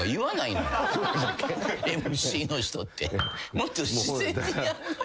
もっと自然にやるのよ。